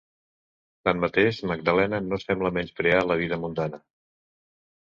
Tanmateix, Magdalena no sembla menysprear la vida mundana.